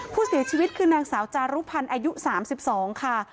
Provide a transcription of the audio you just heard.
ผู้เสียชีวิตคือนางสาวจารุพันธ์อายุ๓๒ค่ะ